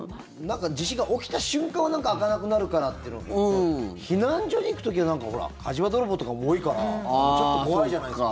地震が起きた瞬間は開かなくなるかなっていうのはあるけど避難所に行く時は火事場泥棒とかも多いからちょっと怖いじゃないですか。